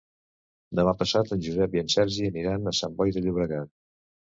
Demà passat en Josep i en Sergi aniran a Sant Boi de Llobregat.